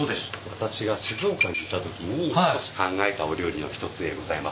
私が静岡にいたときに考えたお料理の一つでございます。